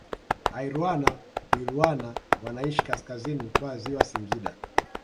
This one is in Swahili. Airwana Wilwana wanaishi kaskazini kwa ziwa Singida